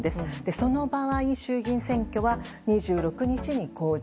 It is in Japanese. その場合衆議院選挙は２６日に公示。